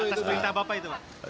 atas perintah bapak itu pak